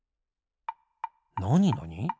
なになに？